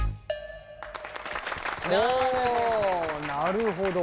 なるほど。